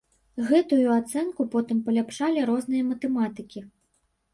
Гэтую ацэнку потым паляпшалі розныя матэматыкі.